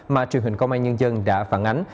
mà truyền hình công an nhân dân đã phản ánh